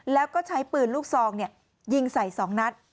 แล้วก็ใช้ปืนลูกซองยิงใส่๒นัด